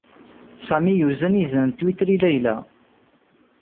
Sami yuzen izen n Twitter i Layla.